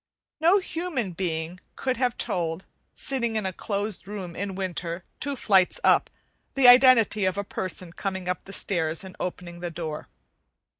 No human being could have told, sitting in a closed room in winter, two flights up, the identity of a person coming up the steps and opening the door.